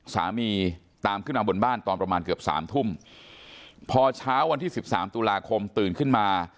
สามีตามขึ้นมาบนบ้านตอนประมาณเกือบสามทุ่มพอเช้าวันที่สิบสามตุลาคมตื่นขึ้นมา